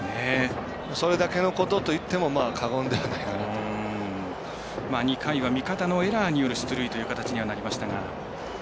それだけのことといっても２回は味方のエラーによる出塁という形になりました。